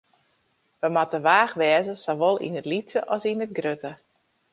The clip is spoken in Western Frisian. Wy moatte wach wêze, sawol yn it lytse as yn it grutte.